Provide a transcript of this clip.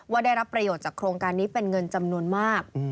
ได้รับประโยชน์จากโครงการนี้เป็นเงินจำนวนมาก